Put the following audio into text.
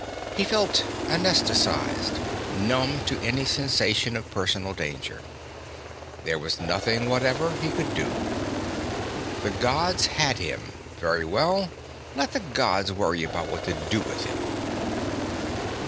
He felt anesthetized, numb to any sensation of personal danger. There was nothing whatever he could do. The Gods had him; very well, let the Gods worry about what to do with him.